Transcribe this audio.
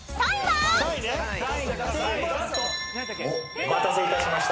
お待たせいたしました。